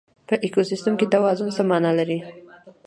په ایکوسیستم کې توازن څه مانا لري؟